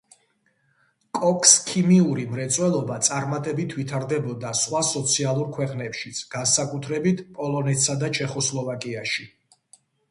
კოქსქიმიური მრეწველობა წარმატებით ვითარდებოდა სხვა სოციალურ ქვეყნებშიც, განსაკუთრებით პოლონეთსა და ჩეხოსლოვაკიაში.